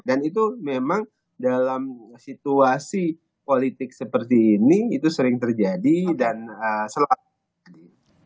dan itu memang dalam situasi politik seperti ini itu sering terjadi dan selalu terjadi